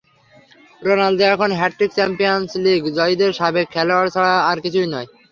Ronaldo এখন hat trick Champions League জয়ীদের সাবেক খেলোয়াড় ছাড়া আর কিছুই নয়।